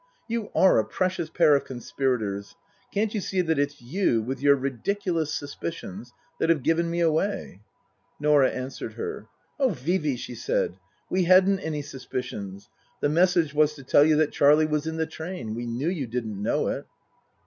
You are a precious pair of conspirators. Can't you see that it's you with your ridiculous suspicions that have given me away ?" Norah answered her. " Oh, Vee Vee," she said, " we hadn't any suspicions. The message was to tell you that Charlie was in the train. We knew you didn't know it."